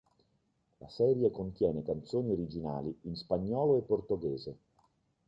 La serie contiene canzoni originali in spagnolo e portoghese.